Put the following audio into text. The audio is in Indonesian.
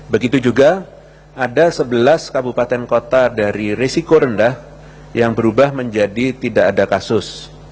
begitu juga ada sebelas kabupaten kota dari resiko rendah yang berubah menjadi tidak ada kasus